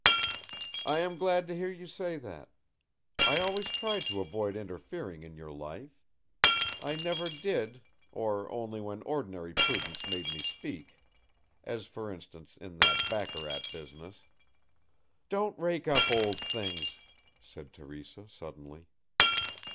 "I am glad to hear you say that. I always tried to avoid interfering in your life. I never did or only when ordinary prudence made me speak, as for instance, in that baccarat business." "Don't rake up old things," said Teresa suddenly.